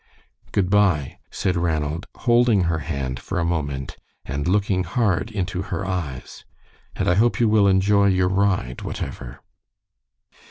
"Good by," said Ranald, holding her hand for a moment and looking hard into her eyes, "and I hope you will enjoy your ride, whatever."